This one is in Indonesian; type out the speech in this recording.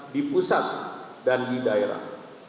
di pusat dan di daerah